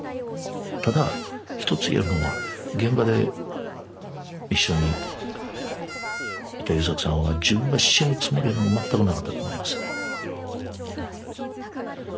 ただ一つ言えるのは現場で一緒にいた優作さんは自分が死ぬつもりは全くなかったと思いますうん。